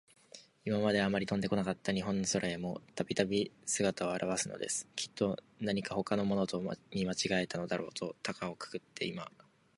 いままで、あまり飛んでこなかった日本の空へも、たびたび、すがたをあらわすのです。きっと、なにかほかのものと、見まちがえたのだろうと、たかをくくっていました。